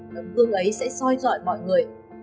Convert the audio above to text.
tấm vương ấy sẽ soi dọi mọi người